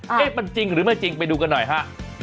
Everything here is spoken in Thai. เอ๊ะมันจริงหรือไม่จริงไปดูกันหน่อยฮะ